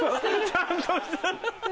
ちゃんとしてる！